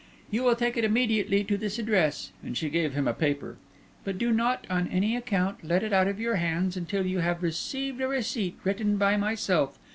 You will take it immediately to this address," and she gave him a paper, "but do not, on any account, let it out of your hands until you have received a receipt written by myself.